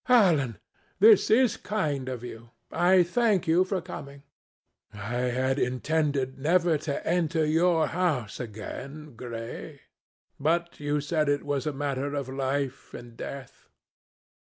"Alan! This is kind of you. I thank you for coming." "I had intended never to enter your house again, Gray. But you said it was a matter of life and death."